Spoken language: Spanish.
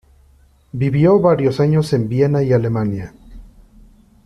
Vivió varios años en Viena y Alemania.